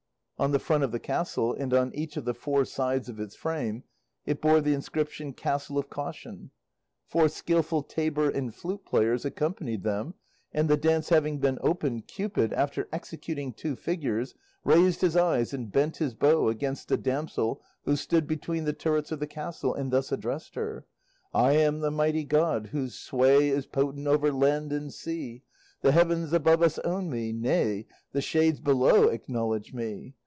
On the front of the castle and on each of the four sides of its frame it bore the inscription "Castle of Caution." Four skillful tabor and flute players accompanied them, and the dance having been opened, Cupid, after executing two figures, raised his eyes and bent his bow against a damsel who stood between the turrets of the castle, and thus addressed her: I am the mighty God whose sway Is potent over land and sea. The heavens above us own me; nay, The shades below acknowledge me.